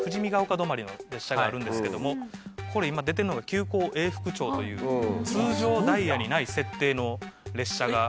止まりの列車があるんですけどもこれ今出てるのが急行永福町という通常ダイヤにない設定の列車が。